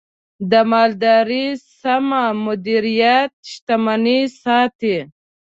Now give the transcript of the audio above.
د مالدارۍ سمه مدیریت، شتمني ساتي.